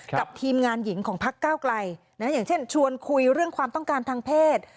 ทีมงานหญิงของพักเก้าไกลอย่างเช่นชวนคุยเรื่องความต้องการทางเพศ